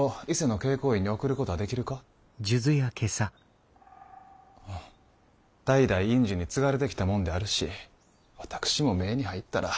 代々院主に継がれてきたもんであるし私も目に入ったら後ろ髪を引かれる。